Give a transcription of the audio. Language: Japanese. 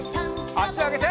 あしあげて。